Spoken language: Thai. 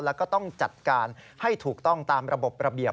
แล้วก็ต้องจัดการให้ถูกต้องตามระบบระเบียบ